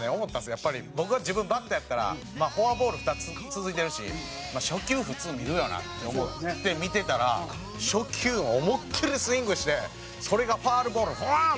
やっぱり僕が自分バッターやったらフォアボール２つ続いてるし初球普通見るよなって思って見てたら初球思いっ切りスイングしてそれがファウルボールブワーン！